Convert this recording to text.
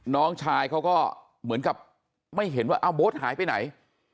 น้องชายเขาก็เหมือนกับไม่เห็นว่าเอาโบ๊ทหายไปไหน